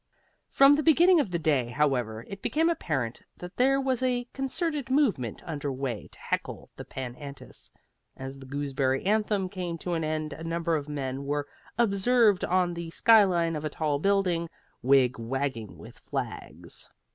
From the beginning of the day, however, it became apparent that there was a concerted movement under way to heckle the Pan Antis. As the Gooseberry Anthem came to an end a number of men were observed on the skyline of a tall building, wig wagging with flags.